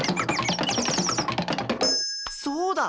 そうだ！